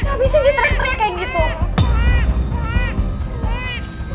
abisnya diterik terik kayak gitu